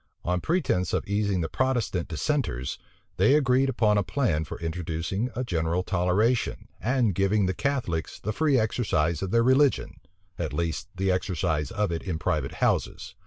On pretence of easing the Protestant dissenters, they agreed upon a plan for introducing a general toleration, and giving the Catholics the free exercise of their religion; at least the exercise of it in private houses.